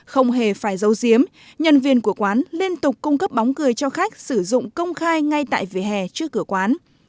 không hề phải dấu diếm nhân viên của quán liên tục cung cấp bóng cười cho khách sử dụng công khai ngay tại vỉa hè trước cửa quán